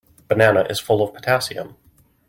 Banana is full of potassium.